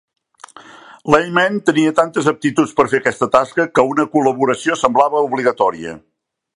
Layman tenia tantes aptituds per fer aquesta tasca que una col·laboració semblava obligatòria.